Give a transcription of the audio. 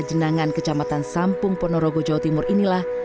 jenangan kecamatan sampung ponorogo jawa timur inilah